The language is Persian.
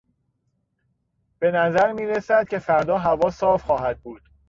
بهنظر میرسد که فردا هوا صاف خواهد بود.